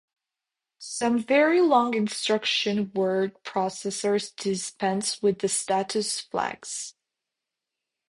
Some very long instruction word processors dispense with the status flags.